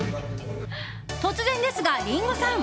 突然ですが、リンゴさん！